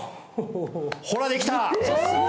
ほら、できた。